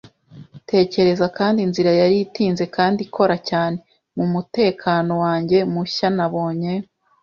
tekereza, kandi inzira yari itinze kandi ikora cyane, mumutekano wanjye mushya-nabonye,